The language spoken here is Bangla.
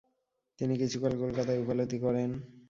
তিনি কিছুকাল কলকাতায় উকালতি করেন।